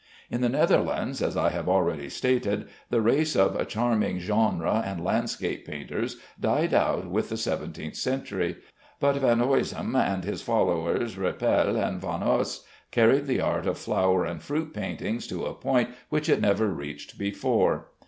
In the Netherlands, as I have already stated, the race of charming "genre" and landscape painters died out with the seventeenth century, but Van Huysum and his followers Roepel and Van Os carried the art of flower and fruit painting to a point which it never reached before.